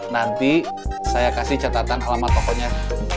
nanti saya kasih catatan alamat pokoknya